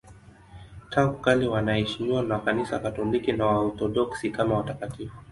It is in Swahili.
Tangu kale wanaheshimiwa na Kanisa Katoliki na Waorthodoksi kama watakatifu.